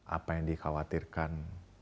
apa yang dikhawatirkan